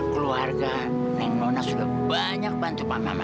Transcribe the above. keluarga neng nona sudah banyak bantu pak mama